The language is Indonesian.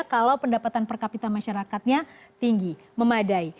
kalau pendapatan per kapita masyarakatnya tinggi memadai